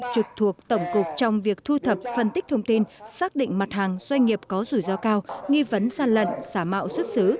trực thuộc tổng cục trong việc thu thập phân tích thông tin xác định mặt hàng doanh nghiệp có rủi ro cao nghi vấn gian lận xả mạo xuất xứ